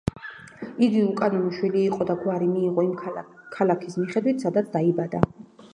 იგი უკანონო შვილი იყო და გვარი მიიღო იმ ქალაქის მიხედვით, სადაც დაიბადა.